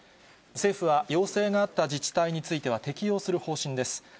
政府は要請があった自治体については、適用する方針です。